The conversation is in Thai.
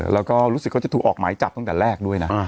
แล้วก็รู้สึกเขาจะถูกออกหมายจับตั้งแต่แรกด้วยนะ